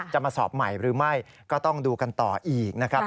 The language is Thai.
จะมาสอบใหม่หรือไม่ก็ต้องดูกันต่ออีกนะครับ